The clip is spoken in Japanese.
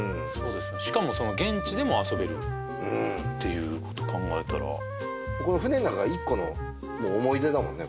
しかもその現地でも遊べるうんっていうこと考えたらこの船の中が一個のもう思い出だもんね